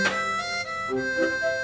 assalamualaikum warahmatullahi wabarakatuh